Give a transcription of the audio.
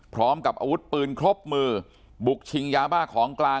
พร้อมกับอาวุธปืนครบมือบุกชิงยาบ้าของกลาง